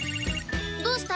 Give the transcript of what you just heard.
どうした？